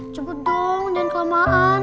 cepet dong jangan kelamaan